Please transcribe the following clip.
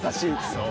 そう。